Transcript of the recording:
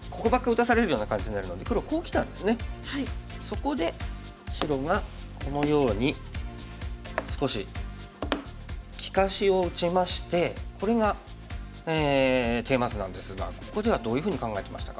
そこで白がこのように少し利かしを打ちましてこれがテーマ図なんですがここではどういうふうに考えてましたか？